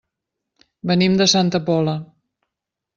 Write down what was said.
Venim de Santa Pola.